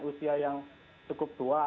usia yang cukup tua